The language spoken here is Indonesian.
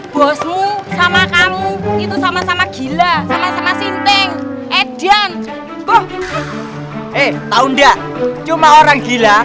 bosmu sama kamu itu sama sama gila sama sama sinting edian eh tahu ndak cuma orang gila